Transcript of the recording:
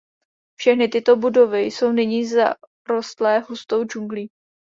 Všechny tyto budovy jsou nyní zarostlé hustou džunglí.